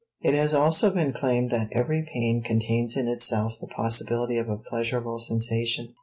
It has also been claimed that every pain contains in itself the possibility of a pleasurable sensation.